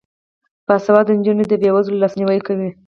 باسواده نجونې د بې وزلو لاسنیوی کوي.